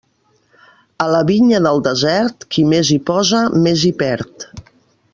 A la vinya del desert, qui més hi posa més hi perd.